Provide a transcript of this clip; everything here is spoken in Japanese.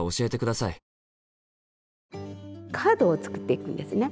カードを作っていくんですね。